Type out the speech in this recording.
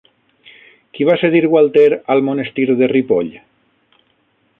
Qui va cedir Gualter al monestir de Ripoll?